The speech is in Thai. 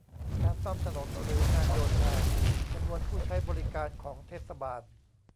การซ่อมถนน หรือ งานโยธา จำนวนผู้ใช้บริการของเทศบาล